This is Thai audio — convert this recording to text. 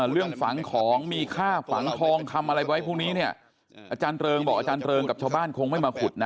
เรื่องฝังของมีค่าฝังทองคำอะไรไว้พวกนี้เนี่ยอาจารย์เริงบอกอาจารย์เริงกับชาวบ้านคงไม่มาขุดนะ